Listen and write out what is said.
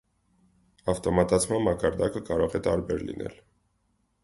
Ավտոմատացման մակարդակը կարող է տարբեր լինել։